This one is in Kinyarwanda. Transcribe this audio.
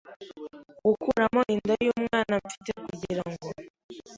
gukuramo inda y’umwana mfite kugirango